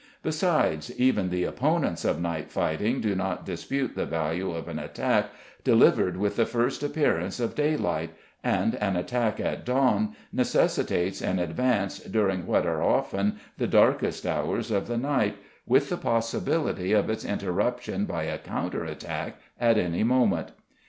Besides, even the opponents of night fighting do not dispute the value of an attack delivered with the first appearance of daylight, and an attack at dawn necessitates an advance during what are often the darkest hours of the night, with the possibility of its interruption by a counter attack at any moment.